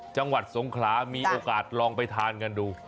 จังหวัดสงขลามีโอกาสลองไปทานกันดู